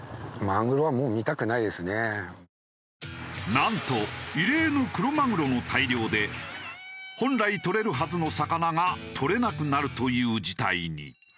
なんと異例のクロマグロの大漁で本来とれるはずの魚がとれなくなるという事態に。